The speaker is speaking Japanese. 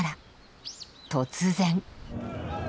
突然。